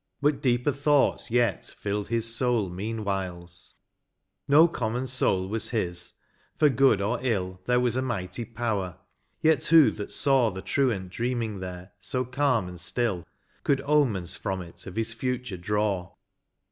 But deeper thoughts yet filled his soul meanwhiles : No common soul was his ; for good or ill There was a mighty power; yet who that saw The truant dreaming there, so calm and still. Could omens from it of his future draw